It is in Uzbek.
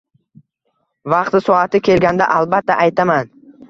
Vaqti-soati kelganda albatta aytaman.